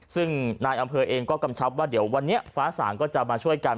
ซึ่งนายอำเภอเองก็กำชับว่าเดี๋ยววันนี้ฟ้าสางก็จะมาช่วยกัน